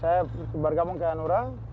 saya bergabung ke hanura